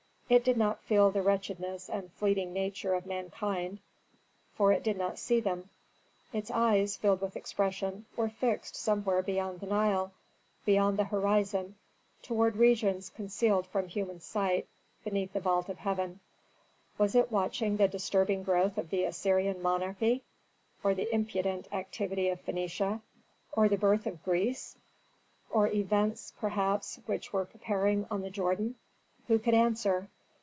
It did not feel the wretchedness and fleeting nature of mankind, for it did not see them. Its eyes, filled with expression, were fixed somewhere beyond the Nile, beyond the horizon, toward regions concealed from human sight beneath the vault of heaven. Was it watching the disturbing growth of the Assyrian monarchy? Or the impudent activity of Phœnicia? Or the birth of Greece, or events, perhaps, which were preparing on the Jordan? Who could answer?